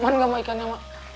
aman gak sama ikannya ma